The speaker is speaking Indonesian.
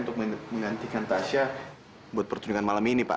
untuk menggantikan tasya buat pertunjukan malam ini pak